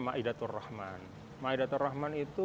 maidatur rahman maidatur rahman itu